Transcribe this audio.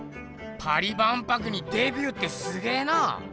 パリ万博にデビューってすげーな！